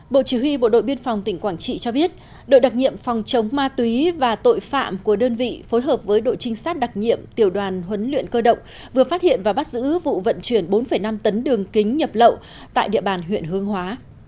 bộ chỉ huy bộ đội biên phòng tỉnh quảng trị cho biết đội đặc nhiệm phòng chống ma túy và tội phạm của đơn vị phối hợp với đội trinh sát đặc nhiệm tiểu đoàn huấn luyện cơ động vừa phát hiện và bắt giữ vụ vận chuyển bốn năm tấn đường kính nhập lậu tại địa bàn huyện hương hóa